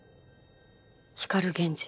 光源氏。